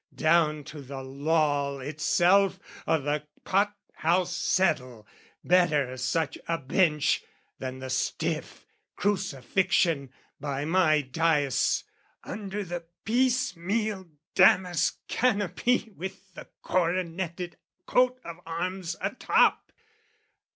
down to the loll itself O' the pot house settle, better such a bench Than the stiff crucifixion by my dais Under the piece meal damask canopy With the coroneted coat of arms a top!